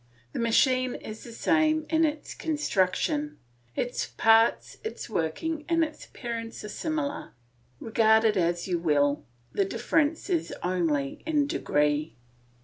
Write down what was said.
The machine is the same in its construction; its parts, its working, and its appearance are similar. Regard it as you will the difference is only in degree.